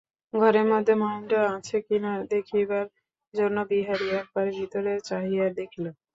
ঘরের মধ্যে মহেন্দ্র আছে কি না, দেখিবার জন্য বিহারী একবার ভিতরে চাহিয়া দেখিল।